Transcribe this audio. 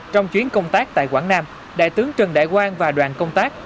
trong chuyến công tác tại quảng nam đại tướng trần đại quang và đoàn công tác